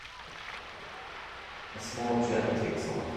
a small jet takes off.